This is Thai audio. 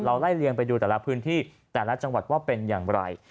ไล่เลียงไปดูแต่ละพื้นที่แต่ละจังหวัดว่าเป็นอย่างไร